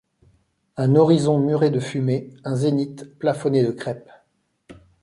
Un horizon muré de fumée, un zénith plafonné de crêpe.